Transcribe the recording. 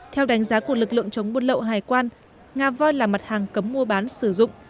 theo đánh giá của lực lượng chống buôn lậu hải quan nga voi là mặt hàng cấm mua bán sử dụng